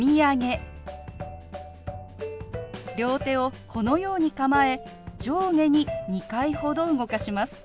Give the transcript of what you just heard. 両手をこのように構え上下に２回ほど動かします。